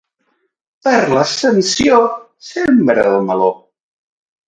Per l'Ascensió sembra el meló.